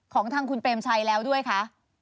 คุณเปมชายแล้วด้วยคะ